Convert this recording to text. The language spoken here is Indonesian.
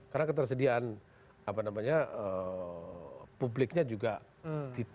karena ketersediaan apa namanya publiknya juga pasti kita beda